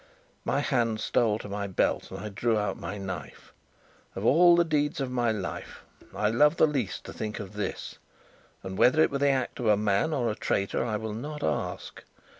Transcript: My hand stole to my belt, and I drew out my knife. Of all the deeds of my life, I love the least to think of this, and whether it were the act of a man or a traitor I will not ask.